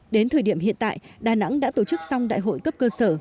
đến thời điểm hiện tại đà nẵng đã tổ chức xong đại hội cấp cơ sở